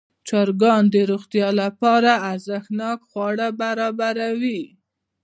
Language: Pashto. چرګان د روغتیا لپاره ارزښتناک خواړه برابروي.